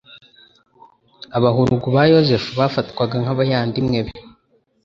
Abahurugu ba Yosefu bafatwaga nk'abayandimwe be,